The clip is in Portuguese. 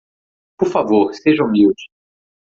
Por favor, seja humilde.